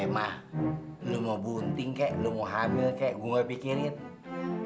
eh ma lo mau bunting kek lo mau hamil kek gue gak pikirin